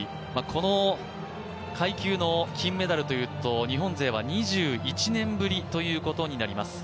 この階級の金メダルというと日本勢は２１年ぶりということになります。